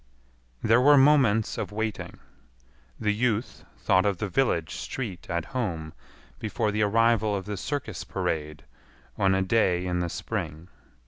There were moments of waiting. The youth thought of the village street at home before the arrival of the circus parade on a day in the spring.